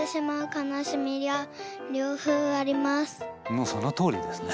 もうそのとおりですね。